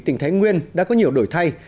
tỉnh thái nguyên đã có nhiều đổi thay